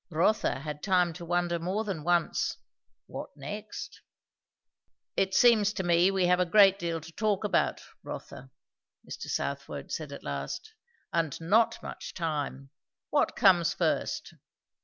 Rotha had time to wonder more than once "what next?" "It seems to me we have a great deal to talk about, Rotha," Mr. Southwode said at last. "And not much time. What comes first?"